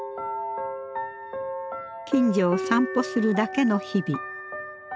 近所を散歩するだけの日々。